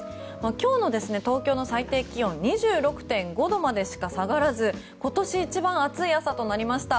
今日の東京の最低気温２６．５度までしか下がらず今年一番暑い朝となりました。